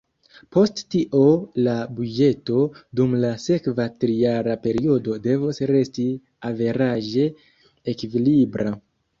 Post tio la buĝeto dum la sekva trijara periodo devos resti averaĝe ekvilibra.